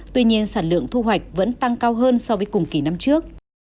tuy nhiên sản lượng thu hoạch vẫn tăng cao hơn so với cùng kỳ năm trước